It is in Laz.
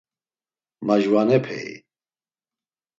Majvanepei?